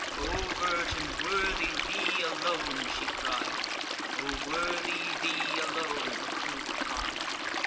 "O virgin! worthy thee alone!" she cried; "O worthy thee alone!" the crew replied.